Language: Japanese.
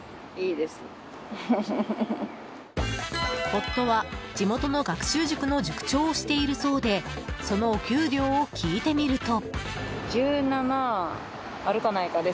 夫は地元の学習塾の塾長をしているそうでそのお給料を聞いてみると。